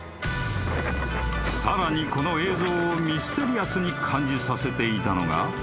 ［さらにこの映像をミステリアスに感じさせていたのが］